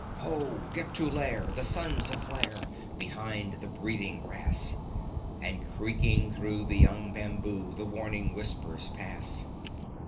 Ho! Get to lair! The sun's aflare Behind the breathing grass: And creaking through the young bamboo The warning whispers pass.